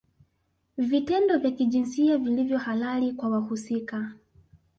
Vitendo vya kijinsia vilivyo halali kwa wahusika